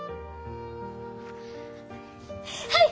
はい！